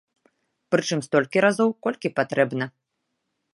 Прычым столькі разоў, колькі патрэбна.